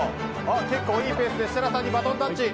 結構いいペースで設楽さんにバトンタッチ。